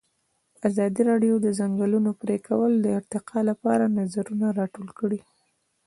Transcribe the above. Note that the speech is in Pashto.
ازادي راډیو د د ځنګلونو پرېکول د ارتقا لپاره نظرونه راټول کړي.